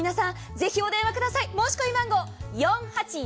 ぜひお電話ください。